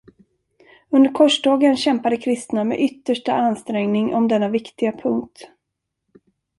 Under korstågen kämpade kristna med yttersta ansträngning om denna viktiga punkt.